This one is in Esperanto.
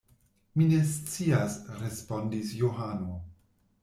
Mi ne scias, respondis Johano.